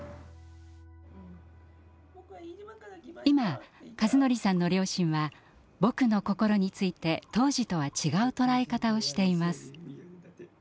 今、一法さんの両親は「ぼくの心」について当時とは違う捉え方をしています。